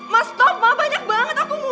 mas toppa banyak banget aku mau